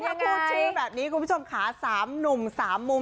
ถ้าพูดชื่อแบบนี้คุณผู้ชมค่ะ๓หนุ่ม๓มุม